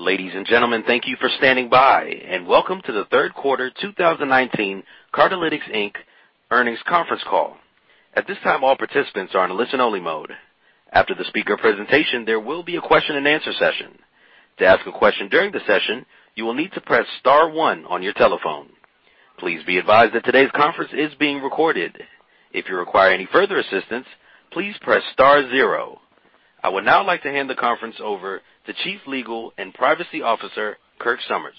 Ladies and gentlemen, thank you for standing by, welcome to the third quarter 2019 Cardlytics, Inc. earnings conference call. At this time, all participants are in listen-only mode. After the speaker presentation, there will be a question and answer session. To ask a question during the session, you will need to press star one on your telephone. Please be advised that today's conference is being recorded. If you require any further assistance, please press star zero. I would now like to hand the conference over to Chief Legal and Privacy Officer, Kirk Somers.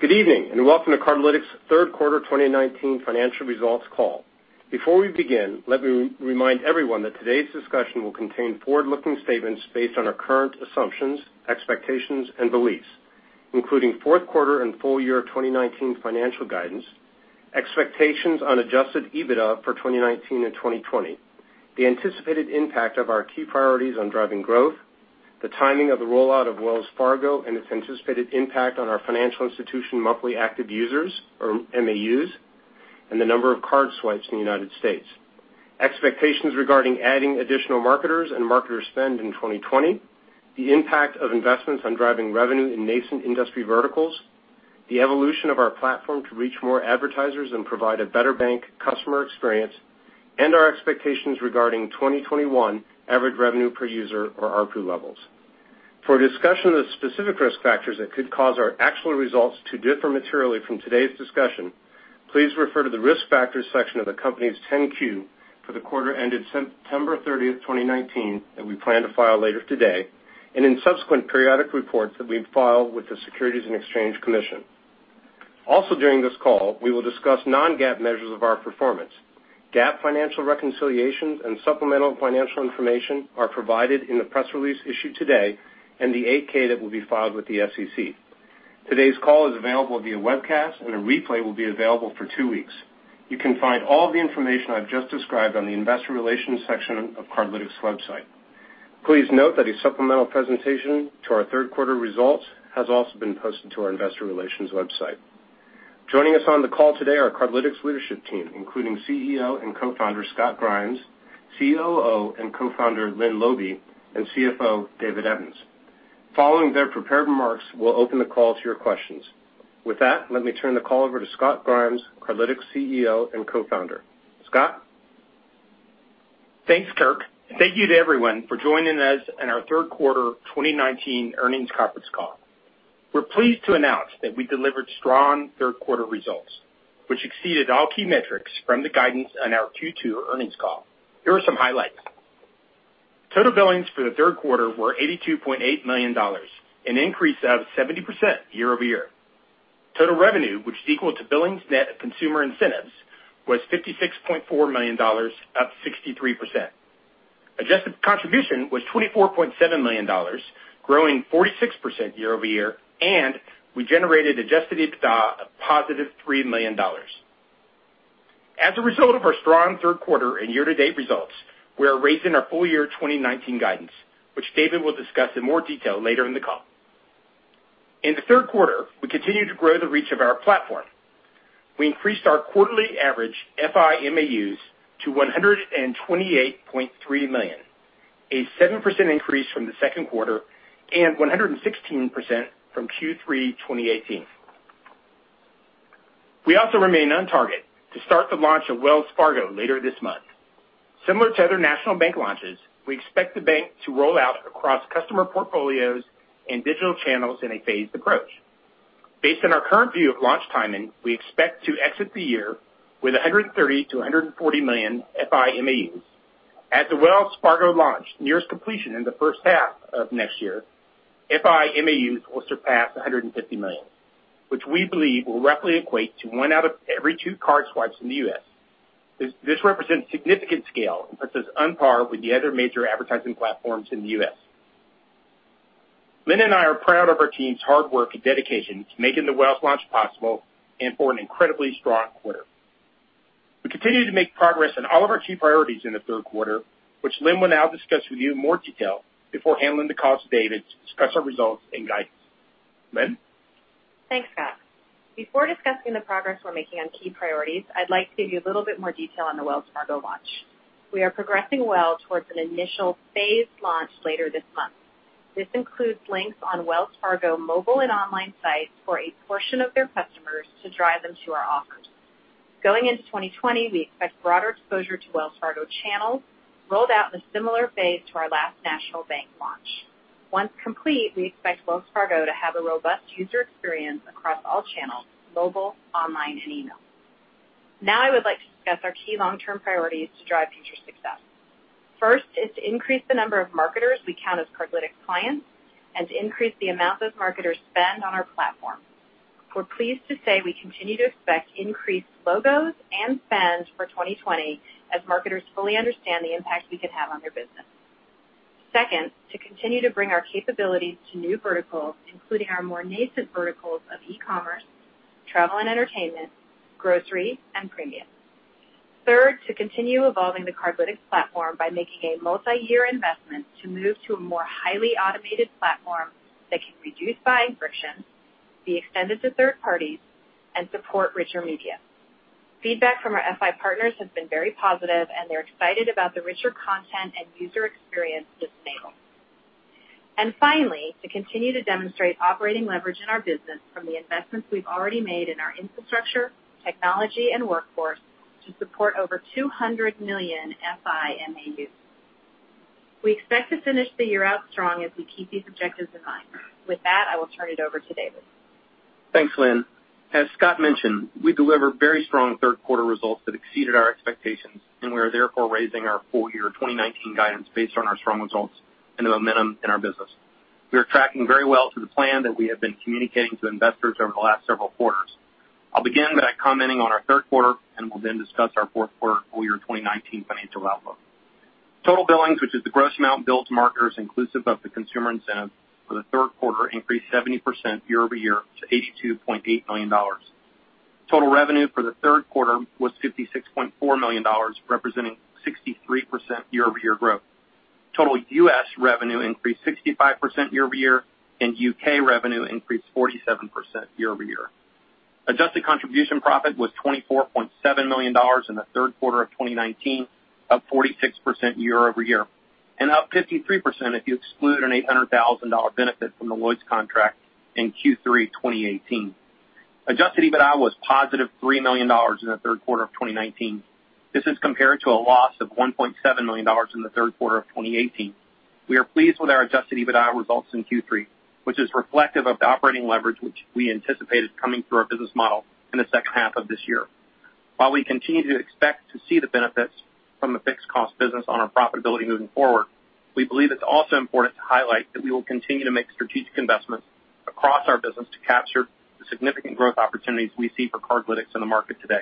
Good evening, and welcome to Cardlytics' third quarter 2019 financial results call. Before we begin, let me remind everyone that today's discussion will contain forward-looking statements based on our current assumptions, expectations, and beliefs, including fourth quarter and full year 2019 financial guidance, expectations on adjusted EBITDA for 2019 and 2020, the anticipated impact of our key priorities on driving growth, the timing of the rollout of Wells Fargo and its anticipated impact on our financial institution monthly active users, or MAUs, and the number of card swipes in the United States, expectations regarding adding additional marketers and marketer spend in 2020, the impact of investments on driving revenue in nascent industry verticals, the evolution of our platform to reach more advertisers and provide a better bank customer experience, and our expectations regarding 2021 average revenue per user, or ARPU, levels. For a discussion of the specific risk factors that could cause our actual results to differ materially from today's discussion, please refer to the Risk Factors section of the company's 10-Q for the quarter ended September 30, 2019, that we plan to file later today, and in subsequent periodic reports that we file with the Securities and Exchange Commission. During this call, we will discuss non-GAAP measures of our performance. GAAP financial reconciliations and supplemental financial information are provided in the press release issued today and the 8-K that will be filed with the SEC. Today's call is available via webcast, and a replay will be available for two weeks. You can find all the information I've just described on the Investor Relations section of Cardlytics' website. Please note that a supplemental presentation to our third quarter results has also been posted to our Investor Relations website. Joining us on the call today are Cardlytics' leadership team, including CEO and Co-Founder, Scott Grimes, COO and Co-Founder, Lynne Laube, and CFO, David Evans. Following their prepared remarks, we'll open the call to your questions. With that, let me turn the call over to Scott Grimes, Cardlytics' CEO and Co-Founder. Scott? Thanks, Kirk. Thank you to everyone for joining us on our third quarter 2019 earnings conference call. We're pleased to announce that we delivered strong third quarter results, which exceeded all key metrics from the guidance on our Q2 earnings call. Here are some highlights. Total billings for the third quarter were $82.8 million, an increase of 70% year-over-year. Total revenue, which is equal to billings net of consumer incentives, was $56.4 million, up 63%. Adjusted contribution was $24.7 million, growing 46% year-over-year, and we generated adjusted EBITDA of positive $3 million. As a result of our strong third quarter and year-to-date results, we are raising our full year 2019 guidance, which David will discuss in more detail later in the call. In the third quarter, we continued to grow the reach of our platform. We increased our quarterly average FI MAUs to 128.3 million, a 7% increase from the second quarter, and 116% from Q3 2018. We also remain on target to start the launch of Wells Fargo later this month. Similar to other national bank launches, we expect the bank to roll out across customer portfolios and digital channels in a phased approach. Based on our current view of launch timing, we expect to exit the year with 130 million-140 million FI MAUs. At the Wells Fargo launch, nearest completion in the first half of next year, FI MAUs will surpass 150 million, which we believe will roughly equate to one out of every two card swipes in the U.S. This represents significant scale and puts us on par with the other major advertising platforms in the U.S. Lynne and I are proud of our team's hard work and dedication to making the Wells Fargo launch possible and for an incredibly strong quarter. We continued to make progress on all of our key priorities in the third quarter, which Lynne will now discuss with you in more detail before handing the call to David to discuss our results and guidance. Lynne? Thanks, Scott. Before discussing the progress we're making on key priorities, I'd like to give you a little bit more detail on the Wells Fargo launch. We are progressing well towards an initial phased launch later this month. This includes links on Wells Fargo mobile and online sites for a portion of their customers to drive them to our offers. Going into 2020, we expect broader exposure to Wells Fargo channels rolled out in a similar phase to our last national bank launch. Once complete, we expect Wells Fargo to have a robust user experience across all channels, mobile, online, and email. Now I would like to discuss our key long-term priorities to drive future success. First is to increase the number of marketers we count as Cardlytics clients and to increase the amount those marketers spend on our platform. We're pleased to say we continue to expect increased logos and spend for 2020 as marketers fully understand the impact we can have on their business. Second, to continue to bring our capabilities to new verticals, including our more nascent verticals of e-commerce, travel and entertainment, grocery, and premium. Third, to continue evolving the Cardlytics platform by making a multi-year investment to move to a more highly automated platform that can reduce buying friction, be extended to third parties, and support richer media. Feedback from our FI partners has been very positive, and they're excited about the richer content and user experience this enables. Finally, to continue to demonstrate operating leverage in our business from the investments we've already made in our infrastructure, technology, and workforce to support over 200 million FI MAUs. We expect to finish the year out strong as we keep these objectives in mind. With that, I will turn it over to David. Thanks, Lynne. As Scott mentioned, we delivered very strong third quarter results that exceeded our expectations. We are therefore raising our full-year 2019 guidance based on our strong results and the momentum in our business. We are tracking very well to the plan that we have been communicating to investors over the last several quarters. I'll begin by commenting on our third quarter, and will then discuss our fourth quarter full-year 2019 financial outlook. Total billings, which is the gross amount billed to marketers inclusive of the consumer incentive for the third quarter, increased 70% year-over-year to $82.8 million. Total revenue for the third quarter was $56.4 million, representing 63% year-over-year growth. Total U.S. revenue increased 65% year-over-year, and U.K. revenue increased 47% year-over-year. Adjusted contribution profit was $24.7 million in the third quarter of 2019, up 46% year-over-year, and up 53% if you exclude an $800,000 benefit from the Lloyds contract in Q3 2018. Adjusted EBITDA was positive $3 million in the third quarter of 2019. This is compared to a loss of $1.7 million in the third quarter of 2018. We are pleased with our adjusted EBITDA results in Q3, which is reflective of the operating leverage which we anticipated coming through our business model in the second half of this year. While we continue to expect to see the benefits from the fixed cost business on our profitability moving forward, we believe it's also important to highlight that we will continue to make strategic investments across our business to capture the significant growth opportunities we see for Cardlytics in the market today.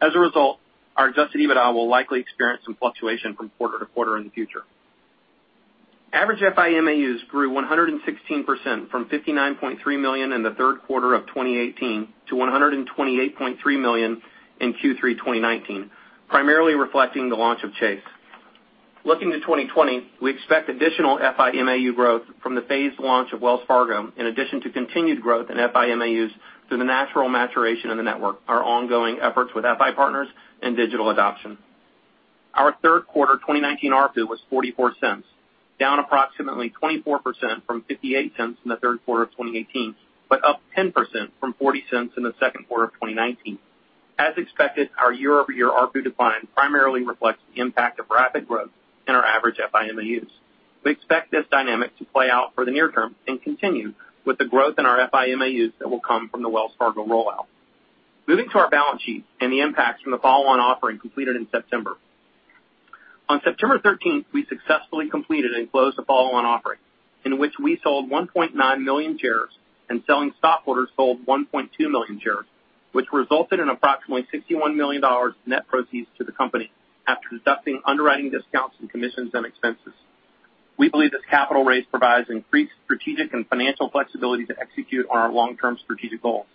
As a result, our adjusted EBITDA will likely experience some fluctuation from quarter to quarter in the future. Average FI MAUs grew 116% from 59.3 million in the third quarter of 2018 to 128.3 million in Q3 2019, primarily reflecting the launch of Chase. Looking to 2020, we expect additional FI MAU growth from the phased launch of Wells Fargo, in addition to continued growth in FI MAUs through the natural maturation of the network, our ongoing efforts with FI partners and digital adoption. Our third quarter 2019 ARPU was $0.44, down approximately 24% from $0.58 in the third quarter of 2018, but up 10% from $0.40 in the second quarter of 2019. As expected, our year-over-year ARPU decline primarily reflects the impact of rapid growth in our average FI MAUs. We expect this dynamic to play out for the near term and continue with the growth in our FI MAUs that will come from the Wells Fargo rollout. Moving to our balance sheet and the impacts from the follow-on offering completed in September. On September 13th, we successfully completed and closed the follow-on offering, in which we sold 1.9 million shares and selling stockholders sold 1.2 million shares, which resulted in approximately $61 million net proceeds to the company after deducting underwriting discounts and commissions and expenses. We believe this capital raise provides increased strategic and financial flexibility to execute on our long-term strategic goals.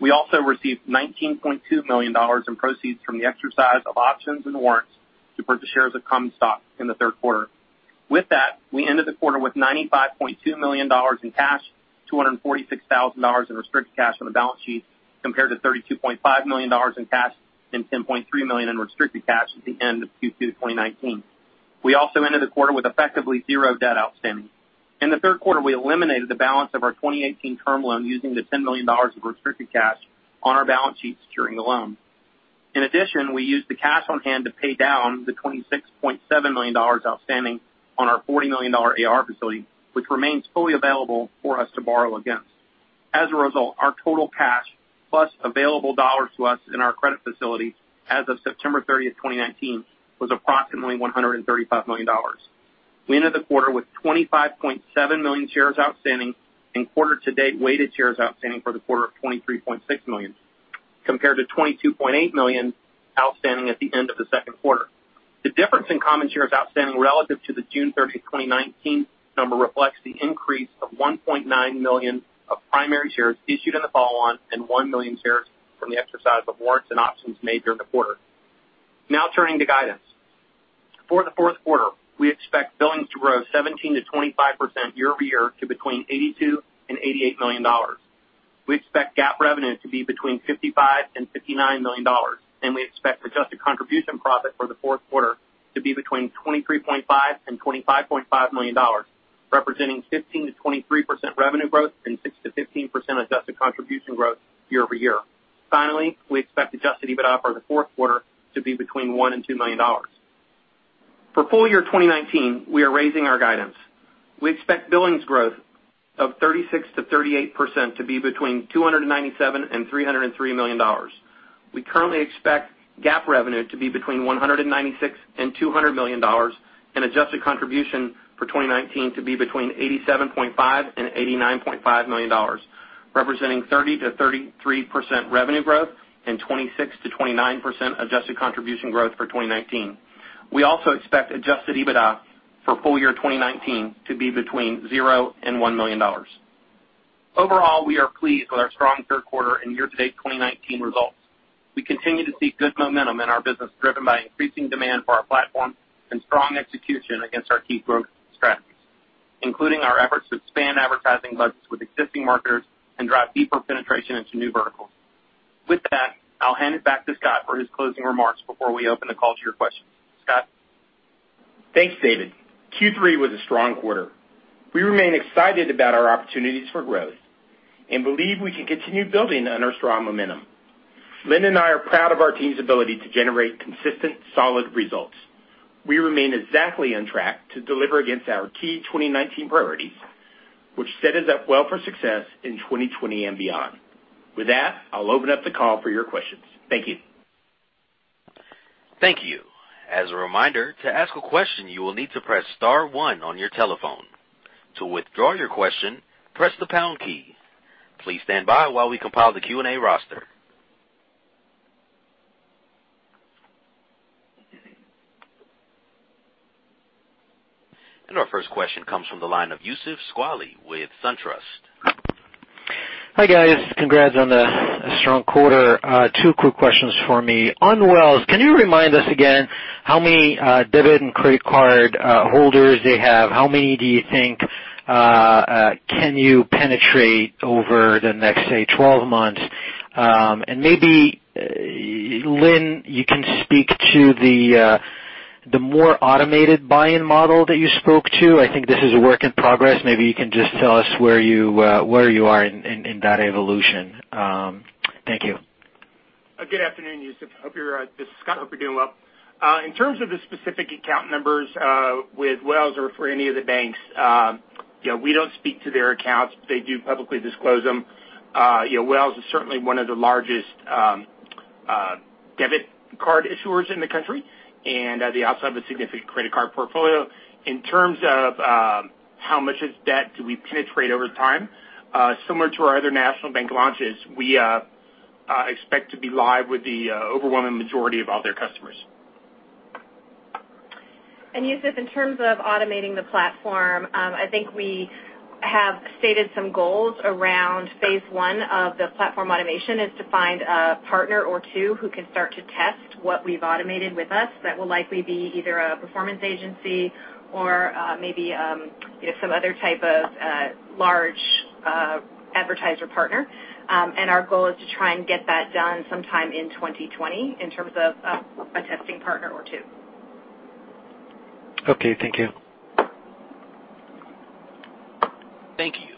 We also received $19.2 million in proceeds from the exercise of options and warrants to purchase shares of common stock in the third quarter. With that, we ended the quarter with $95.2 million in cash, $246,000 in restricted cash on the balance sheet, compared to $32.5 million in cash and $10.3 million in restricted cash at the end of Q2 2019. We also ended the quarter with effectively zero debt outstanding. In the third quarter, we eliminated the balance of our 2018 term loan using the $10 million of restricted cash on our balance sheets during the loan. In addition, we used the cash on hand to pay down the $26.7 million outstanding on our $40 million AR facility, which remains fully available for us to borrow against. As a result, our total cash, plus available dollars to us in our credit facilities as of September 30th, 2019, was approximately $135 million. We ended the quarter with 25.7 million shares outstanding and quarter-to-date weighted shares outstanding for the quarter of 23.6 million, compared to 22.8 million outstanding at the end of the second quarter. The difference in common shares outstanding relative to the June 30, 2019 number reflects the increase of 1.9 million of primary shares issued in the follow-on and 1 million shares from the exercise of warrants and options made during the quarter. Turning to guidance. For the fourth quarter, we expect billings to grow 17%-25% year-over-year to between $82 million and $88 million. We expect GAAP revenue to be between $55 million and $59 million, and we expect adjusted contribution profit for the fourth quarter to be between $23.5 million and $25.5 million, representing 15%-23% revenue growth and 6%-15% adjusted contribution growth year-over-year. Finally, we expect adjusted EBITDA for the fourth quarter to be between $1 million and $2 million. For full year 2019, we are raising our guidance. We expect billings growth of 36%-38% to be between $297 million and $303 million. We currently expect GAAP revenue to be between $196 million and $200 million, and adjusted contribution for 2019 to be between $87.5 million and $89.5 million, representing 30%-33% revenue growth and 26%-29% adjusted contribution growth for 2019. We also expect adjusted EBITDA for full year 2019 to be between $0 and $1 million. Overall, we are pleased with our strong third quarter and year-to-date 2019 results. We continue to see good momentum in our business, driven by increasing demand for our platform and strong execution against our key growth strategies, including our efforts to expand advertising budgets with existing marketers and drive deeper penetration into new verticals. With that, I'll hand it back to Scott for his closing remarks before we open the call to your questions. Scott? Thanks, David. Q3 was a strong quarter. We remain excited about our opportunities for growth and believe we can continue building on our strong momentum. Lynne and I are proud of our team's ability to generate consistent, solid results. We remain exactly on track to deliver against our key 2019 priorities, which set us up well for success in 2020 and beyond. With that, I'll open up the call for your questions. Thank you. Thank you. As a reminder, to ask a question, you will need to press *1 on your telephone. To withdraw your question, press the # key. Please stand by while we compile the Q&A roster. Our first question comes from the line of Youssef Squali with SunTrust. Hi, guys. Congrats on the strong quarter. Two quick questions for me. On Wells, can you remind us again how many debit and credit card holders they have? How many do you think can you penetrate over the next, say, 12 months? Maybe, Lynne, you can speak to the more automated buy-in model that you spoke to. I think this is a work in progress. Maybe you can just tell us where you are in that evolution. Thank you. Good afternoon, Youssef. This is Scott. Hope you're doing well. In terms of the specific account numbers with Wells or for any of the banks, we don't speak to their accounts. They do publicly disclose them. Wells is certainly one of the largest debit card issuers in the country, and they also have a significant credit card portfolio. In terms of how much of that do we penetrate over time, similar to our other national bank launches, we expect to be live with the overwhelming majority of all their customers. Youssef, in terms of automating the platform, I think we have stated some goals around phase one of the platform automation is to find a partner or two who can start to test what we've automated with us. That will likely be either a performance agency or maybe some other type of large advertiser partner. Our goal is to try and get that done sometime in 2020 in terms of a testing partner or two. Okay. Thank you. Thank you.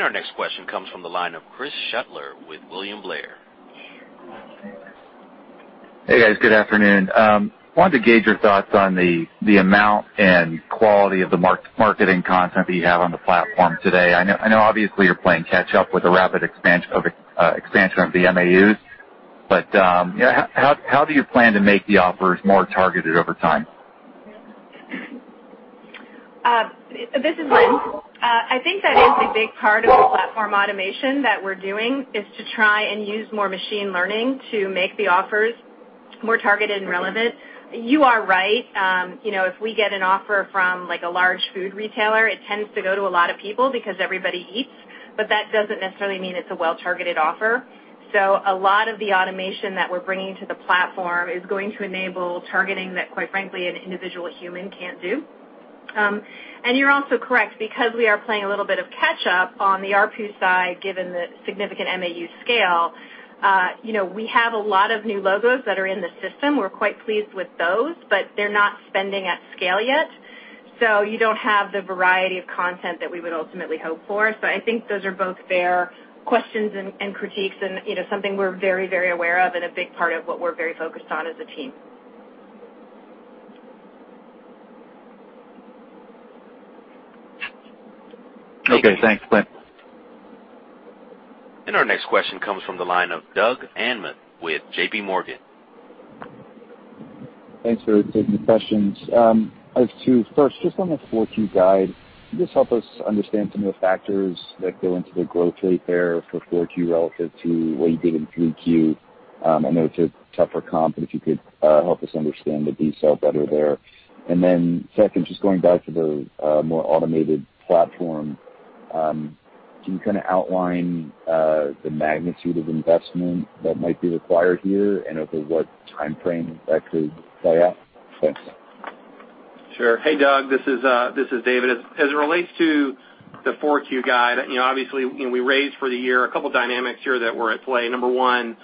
Our next question comes from the line of Chris Schoettler with William Blair. Hey, guys. Good afternoon. Wanted to gauge your thoughts on the amount and quality of the marketing content that you have on the platform today. I know obviously you're playing catch up with the rapid expansion of the MAUs, but how do you plan to make the offers more targeted over time? This is Lynne. I think that is a big part of the platform automation that we're doing, is to try and use more machine learning to make the offers more targeted and relevant. You are right. If we get an offer from a large food retailer, it tends to go to a lot of people because everybody eats, but that doesn't necessarily mean it's a well-targeted offer. A lot of the automation that we're bringing to the platform is going to enable targeting that, quite frankly, an individual human can't do. You're also correct, because we are playing a little bit of catch up on the ARPU side, given the significant MAU scale. We have a lot of new logos that are in the system. We're quite pleased with those, but they're not spending at scale yet. You don't have the variety of content that we would ultimately hope for. I think those are both fair questions and critiques and something we're very aware of and a big part of what we're very focused on as a team. Okay. Thanks, Lynne. Our next question comes from the line of Doug Anmuth with J.P. Morgan. Thanks for taking the questions. To first, just on the 4Q guide, can you just help us understand some of the factors that go into the growth rate there for 4Q relative to what you did in 3Q? I know it's a tougher comp, but if you could help us understand the detail better there. Then second, just going back to the more automated platform, can you kind of outline the magnitude of investment that might be required here and over what timeframe that could play out? Thanks. Sure. Hey, Doug. This is David. As it relates to the 4Q guide, obviously, we raised for the year. A couple dynamics here that were at play. Number one,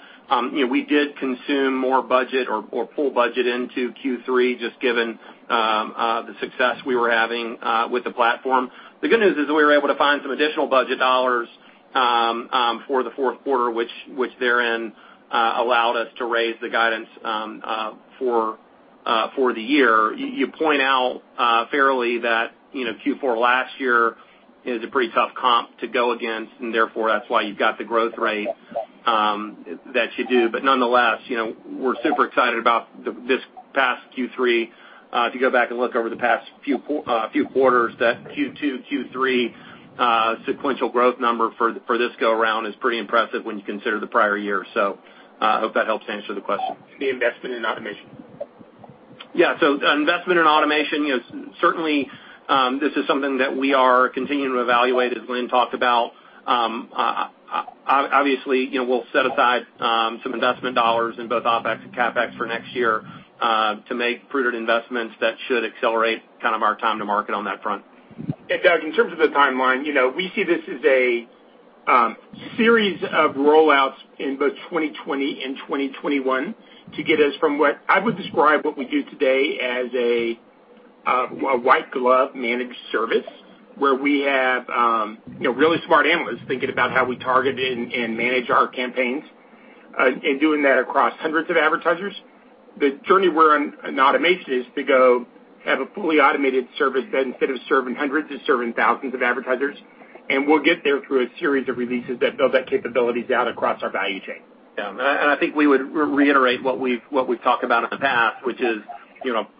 we did consume more budget or pull budget into Q3, just given the success we were having with the platform. The good news is that we were able to find some additional budget dollars for the fourth quarter, which therein allowed us to raise the guidance for the year. You point out fairly that Q4 last year is a pretty tough comp to go against, and therefore that's why you've got the growth rate that you do. Nonetheless, we're super excited about this past Q3. If you go back and look over the past few quarters, that Q2, Q3 sequential growth number for this go around is pretty impressive when you consider the prior year. I hope that helps answer the question. The investment in automation? Yeah. Investment in automation, certainly, this is something that we are continuing to evaluate, as Lynne talked about. Obviously, we'll set aside some investment dollars in both OpEx and CapEx for next year to make prudent investments that should accelerate kind of our time to market on that front. Doug, in terms of the timeline, we see this as a series of roll-outs in both 2020 and 2021 to get us from what I would describe what we do today as a white glove managed service, where we have really smart analysts thinking about how we target and manage our campaigns, and doing that across hundreds of advertisers. The journey we're on in automation is to go have a fully automated service that instead of serving hundreds, is serving thousands of advertisers. We'll get there through a series of releases that build that capability out across our value chain. Yeah. I think we would reiterate what we've talked about in the past, which is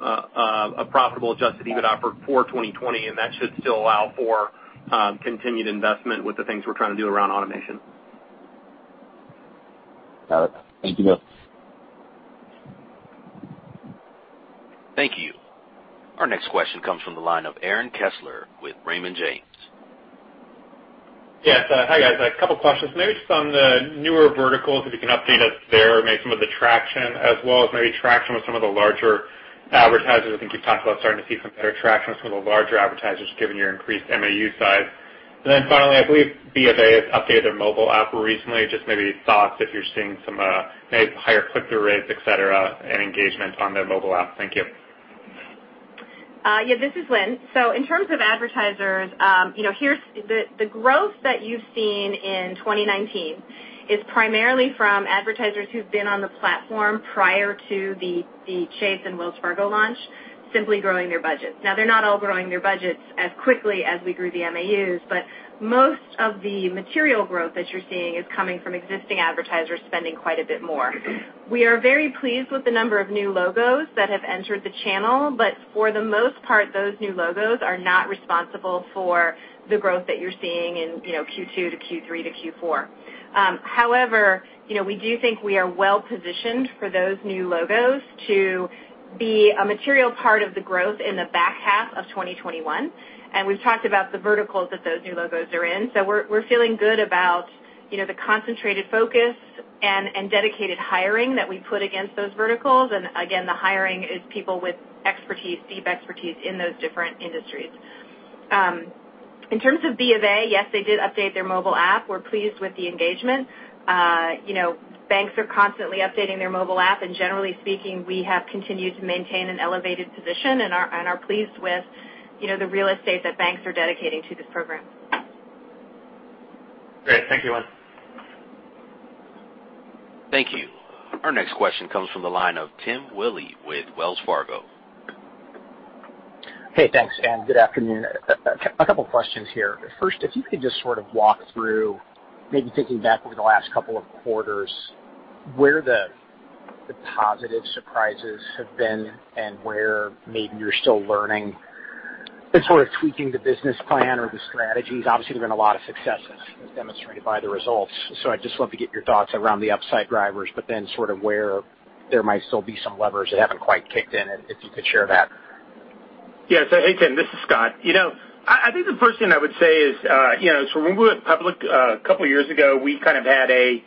a profitable adjusted EBITDA for 2020, and that should still allow for continued investment with the things we're trying to do around automation. Got it. Thank you both. Thank you. Our next question comes from the line of Aaron Kessler with Raymond James. Yes. Hi, guys. A couple questions. Maybe just on the newer verticals, if you can update us there, maybe some of the traction, as well as maybe traction with some of the larger advertisers. I think you've talked about starting to see some better traction with some of the larger advertisers given your increased MAU size. Finally, I believe B of A has updated their mobile app recently. Just maybe thoughts if you're seeing some maybe higher click-through rates, et cetera, and engagement on their mobile app. Thank you. This is Lynne. In terms of advertisers, the growth that you've seen in 2019 is primarily from advertisers who've been on the platform prior to the Chase and Wells Fargo launch, simply growing their budgets. They're not all growing their budgets as quickly as we grew the MAUs, most of the material growth that you're seeing is coming from existing advertisers spending quite a bit more. We are very pleased with the number of new logos that have entered the channel, for the most part, those new logos are not responsible for the growth that you're seeing in Q2 to Q3 to Q4. We do think we are well-positioned for those new logos to be a material part of the growth in the back half of 2021. We've talked about the verticals that those new logos are in. We're feeling good about the concentrated focus and dedicated hiring that we put against those verticals. Again, the hiring is people with expertise, deep expertise, in those different industries. In terms of B of A, yes, they did update their mobile app. We're pleased with the engagement. Banks are constantly updating their mobile app, and generally speaking, we have continued to maintain an elevated position and are pleased with the real estate that banks are dedicating to this program. Great. Thank you, Lynne. Thank you. Our next question comes from the line of Tim Willi with Wells Fargo. Hey, thanks, and good afternoon. A couple questions here. First, if you could just sort of walk through, maybe thinking back over the last couple of quarters, where the positive surprises have been and where maybe you're still learning and sort of tweaking the business plan or the strategies. Obviously, there've been a lot of successes as demonstrated by the results. I'd just love to get your thoughts around the upside drivers, but then sort of where there might still be some levers that haven't quite kicked in, if you could share that. Yeah. Hey, Tim, this is Scott. I think the first thing I would say is, when we went public a couple of years ago, we kind of had a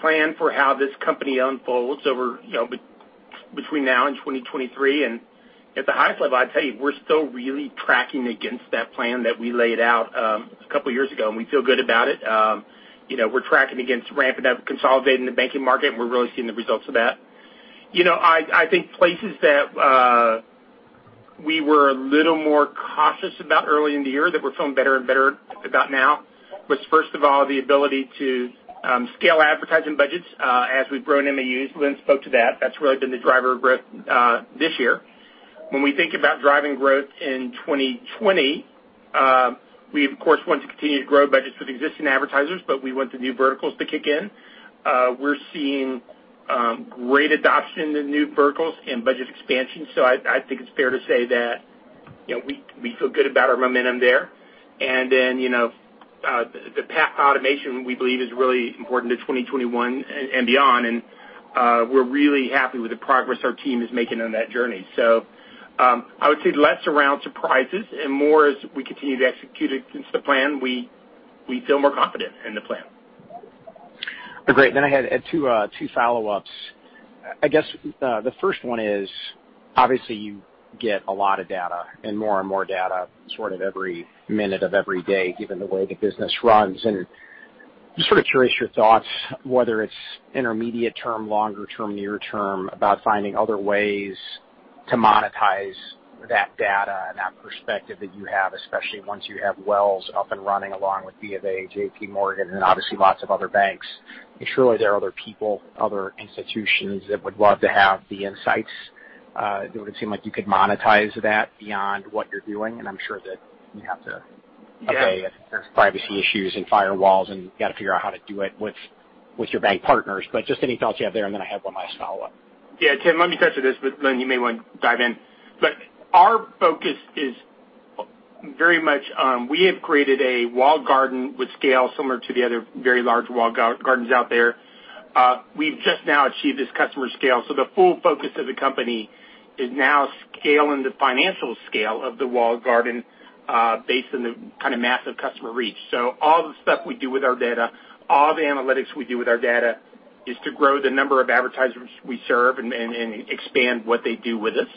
plan for how this company unfolds between now and 2023. At the highest level, I'd tell you, we're still really tracking against that plan that we laid out a couple of years ago, and we feel good about it. We're tracking against ramping up, consolidating the banking market, and we're really seeing the results of that. I think places that we were a little more cautious about early in the year that we're feeling better and better about now was first of all, the ability to scale advertising budgets as we've grown MAUs. Lynne spoke to that. That's really been the driver of growth this year. When we think about driving growth in 2020, we of course want to continue to grow budgets with existing advertisers, but we want the new verticals to kick in. We're seeing great adoption in new verticals and budget expansion. I think it's fair to say that we feel good about our momentum there. The path to automation, we believe, is really important to 2021 and beyond, and we're really happy with the progress our team is making on that journey. I would say less around surprises and more as we continue to execute against the plan, we feel more confident in the plan. Great. I had two follow-ups. I guess the first one is, obviously you get a lot of data and more and more data sort of every minute of every day, given the way the business runs. Just sort of curious your thoughts, whether it's intermediate term, longer term, near term, about finding other ways to monetize that data and that perspective that you have, especially once you have Wells up and running along with B of A, J.P. Morgan and obviously lots of other banks. Surely there are other people, other institutions that would love to have the insights. Do it seem like you could monetize that beyond what you're doing? I'm sure that you have to obey privacy issues and firewalls, and you've got to figure out how to do it with your bank partners. Just any thoughts you have there, and then I have one last follow-up. Yeah. Tim, let me touch on this, but Lynne, you may want to dive in. Our focus is very much. We have created a walled garden with scale similar to the other very large walled gardens out there. We've just now achieved this customer scale. The full focus of the company is now scaling the financial scale of the walled garden based on the kind of massive customer reach. All the stuff we do with our data, all the analytics we do with our data is to grow the number of advertisers we serve and expand what they do with us.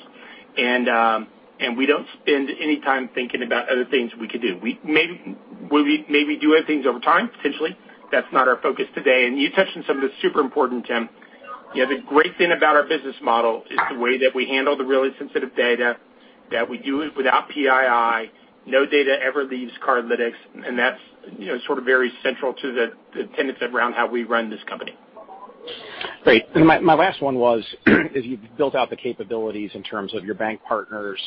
We don't spend any time thinking about other things we could do. We maybe do other things over time, potentially. That's not our focus today. You touched on something that's super important, Tim. The great thing about our business model is the way that we handle the really sensitive data, that we do it without PII. No data ever leaves Cardlytics. That's sort of very central to the tenets around how we run this company. Great. My last one was, as you've built out the capabilities in terms of your bank partners,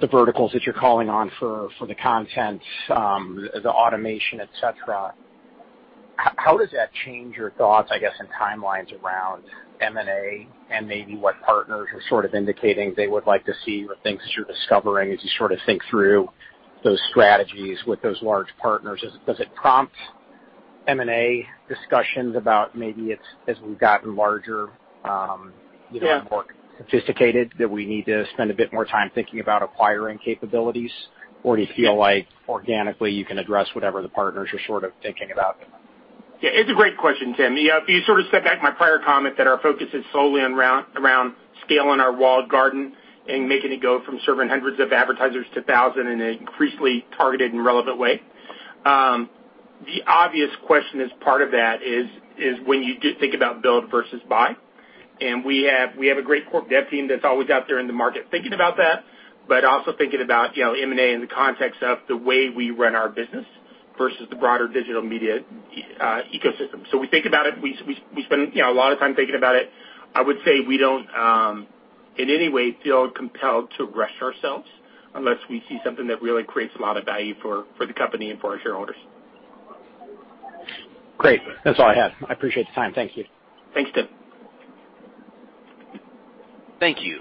the verticals that you're calling on for the content, the automation, et cetera, how does that change your thoughts, I guess, and timelines around M&A and maybe what partners are sort of indicating they would like to see or things that you're discovering as you sort of think through those strategies with those large partners? Does it prompt M&A discussions about maybe as we've gotten larger- Yeah more sophisticated, that we need to spend a bit more time thinking about acquiring capabilities? Do you feel like organically you can address whatever the partners are sort of thinking about? Yeah, it's a great question, Tim. If you sort of step back to my prior comment that our focus is solely around scaling our walled garden and making it go from serving hundreds of advertisers to thousand in an increasingly targeted and relevant way. The obvious question as part of that is when you think about build versus buy. We have a great corp dev team that's always out there in the market thinking about that, but also thinking about M&A in the context of the way we run our business versus the broader digital media ecosystem. We think about it. We spend a lot of time thinking about it. I would say we don't in any way feel compelled to rush ourselves unless we see something that really creates a lot of value for the company and for our shareholders. Great. That's all I have. I appreciate the time. Thank you. Thanks, Tim. Thank you.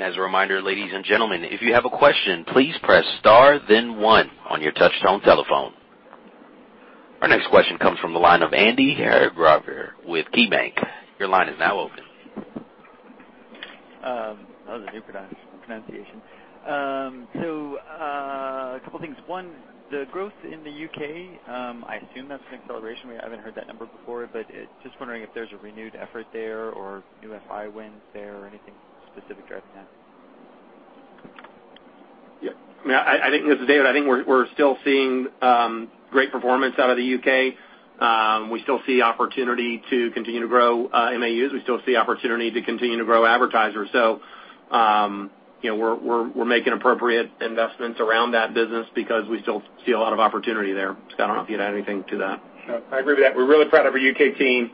As a reminder, ladies and gentlemen, if you have a question, please press star then one on your touchtone telephone. Our next question comes from the line of Andy Hargreaves with KeyBanc. Your line is now open. That was a new pronunciation. A couple things. One, the growth in the U.K., I assume that's an acceleration. We haven't heard that number before, but just wondering if there's a renewed effort there or new FI wins there or anything specific driving that. Yeah. This is David. I think we're still seeing great performance out of the U.K. We still see opportunity to continue to grow MAUs. We still see opportunity to continue to grow advertisers. We're making appropriate investments around that business because we still see a lot of opportunity there. Scott, I don't know if you'd add anything to that. No, I agree with that. We're really proud of our U.K. team.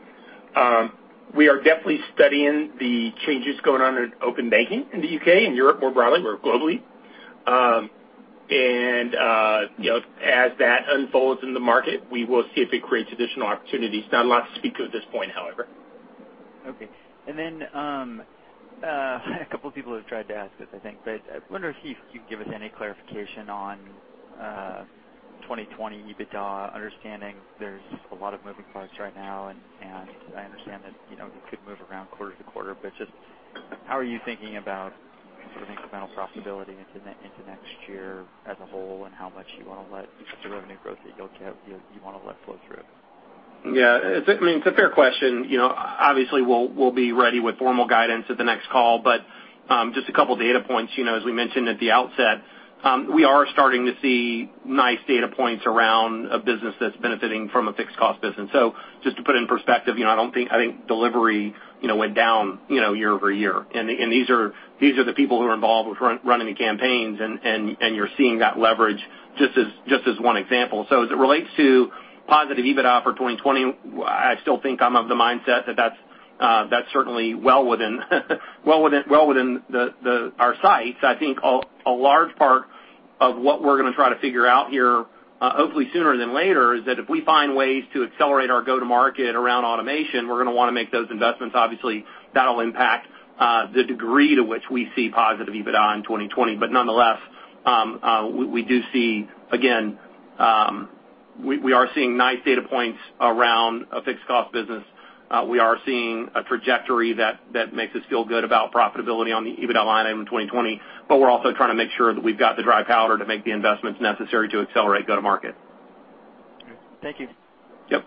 We are definitely studying the changes going on in open banking in the U.K. and Europe more broadly or globally. As that unfolds in the market, we will see if it creates additional opportunities. Not a lot to speak of at this point, however. Okay. A couple people have tried to ask this, I think, but I wonder if you can give us any clarification on 2020 EBITDA, understanding there's a lot of moving parts right now, and I understand that it could move around quarter-to-quarter, but just how are you thinking about sort of incremental profitability into next year as a whole, and how much you want to let the revenue growth that you want to let flow through? It's a fair question. Obviously, we'll be ready with formal guidance at the next call. Just a couple data points. As we mentioned at the outset, we are starting to see nice data points around a business that's benefiting from a fixed cost business. Just to put it in perspective, I think delivery went down year-over-year. These are the people who are involved with running the campaigns, and you're seeing that leverage just as one example. As it relates to positive EBITDA for 2020, I still think I'm of the mindset that's certainly well within our sights. I think a large part of what we're going to try to figure out here, hopefully sooner than later, is that if we find ways to accelerate our go-to-market around automation, we're going to want to make those investments. Obviously, that'll impact the degree to which we see positive EBITDA in 2020. Nonetheless, we are seeing nice data points around a fixed cost business. We are seeing a trajectory that makes us feel good about profitability on the EBITDA line item in 2020. We're also trying to make sure that we've got the dry powder to make the investments necessary to accelerate go-to-market. Thank you. Yep.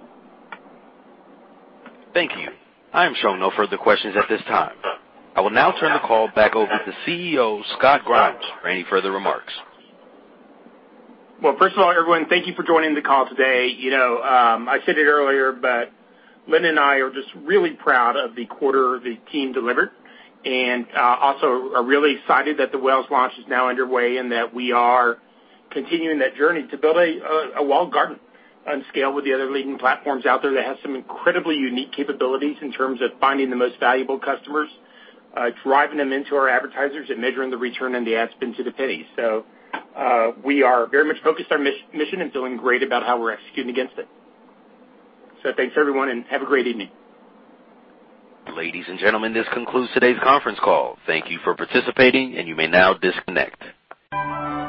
Thank you. I am showing no further questions at this time. I will now turn the call back over to CEO, Scott Grimes, for any further remarks. Well, first of all, everyone, thank you for joining the call today. I said it earlier, Lynne and I are just really proud of the quarter the team delivered and also are really excited that the Wells launch is now underway and that we are continuing that journey to build a walled garden and scale with the other leading platforms out there that have some incredibly unique capabilities in terms of finding the most valuable customers, driving them into our advertisers and measuring the return on the ad spend to the penny. We are very much focused on mission and feeling great about how we're executing against it. Thanks, everyone, and have a great evening. Ladies and gentlemen, this concludes today's conference call. Thank you for participating, and you may now disconnect.